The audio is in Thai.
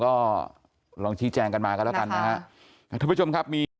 ก็ลองชี้แจงกันมาก็แล้วกันนะคะ